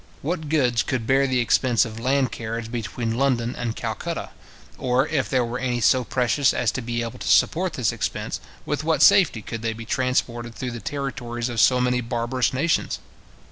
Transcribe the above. What goods could bear the expense of land carriage between London and Calcutta? Or if there were any so precious as to be able to support this expense, with what safety could they be transported through the territories of so many barbarous nations?